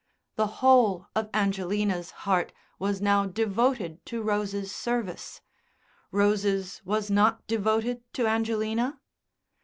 The whole of Angelina's heart was now devoted to Rose's service, Rose's was not devoted to Angelina?...